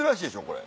これ。